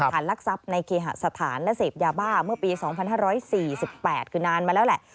ลักทรัพย์ในเคหสถานและเสพยาบ้าเมื่อปี๒๕๔๘คือนานมาแล้วแหละ